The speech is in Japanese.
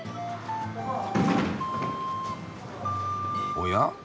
おや？